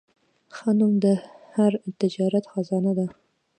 ښه نوم د هر تجارت خزانه ده.